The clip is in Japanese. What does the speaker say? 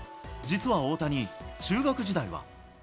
実は大谷、中学時代は。